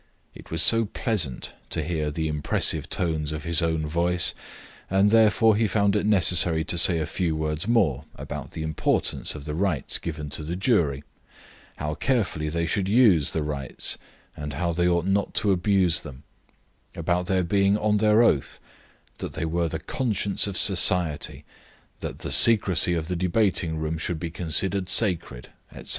It was so pleasant to hear the impressive tones of his own voice, and therefore he found it necessary to say a few words more about the importance of the rights given to the jury, how carefully they should use the rights and how they ought not to abuse them, about their being on their oath, that they were the conscience of society, that the secrecy of the debating room should be considered sacred, etc.